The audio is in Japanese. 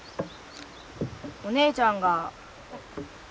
お姉ちゃんが。